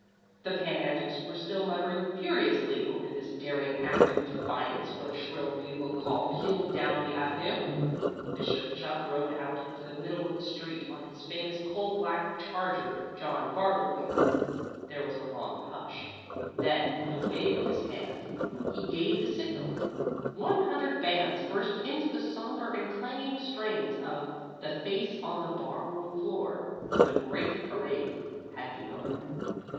The Pan Antis were still muttering furiously over this daring act of defiance when a shrill bugle call pealed down the avenue. Bishop Chuff rode out into the middle of the street on his famous coal black charger, John Barleycorn. There was a long hush. Then, with a wave of his hand, he gave the signal. One hundred bands burst into the somber and clanging strains of "The Face on the Bar Room Floor." The great parade had begun.